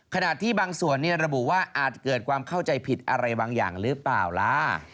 ขณะที่บางส่วนระบุว่าอาจเกิดความเข้าใจผิดอะไรบางอย่างหรือเปล่าล่ะ